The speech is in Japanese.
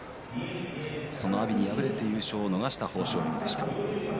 その阿炎に敗れて優勝を逃した豊昇龍でした。